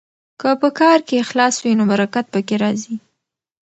که په کار کې اخلاص وي نو برکت پکې راځي.